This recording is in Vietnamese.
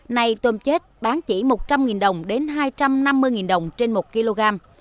nay tôm chết bán chỉ một trăm linh đồng đến hai trăm năm mươi đồng trên một kg